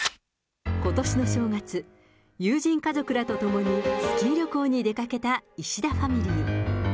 ことしの正月、友人家族らと共にスキー旅行に出かけた石田ファミリー。